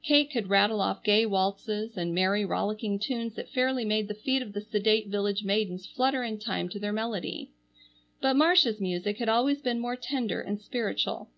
Kate could rattle off gay waltzes and merry, rollicking tunes that fairly made the feet of the sedate village maidens flutter in time to their melody, but Marcia's music had always been more tender and spiritual.